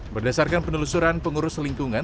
berdasarkan penelusuran pengurus lingkungan